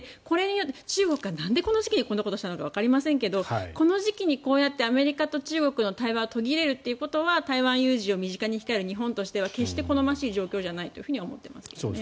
中国がなんでこの時期にこんなことをしたのかわかりませんがこの時期にアメリカと中国の対話が途切れるということは台湾有事を身近に控える日本としては好ましい状況じゃないと思います。